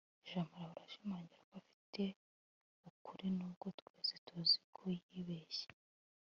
jamali ahora ashimangira ko afite ukuri nubwo twese tuzi ko yibeshye